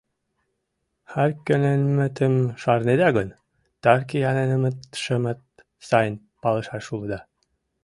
Харкӧненмытым шарнеда гын, Таркиайненмытшымат сайын палышаш улыда.